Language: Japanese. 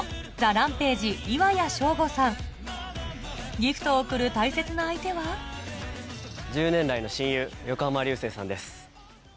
ギフトを贈る大切な相手は１０年来の親友横浜流星さんです。